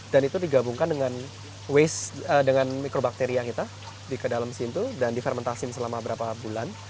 dan itu digabungkan dengan mikrobakteria kita di kedalam situ dan difermentasi selama berapa bulan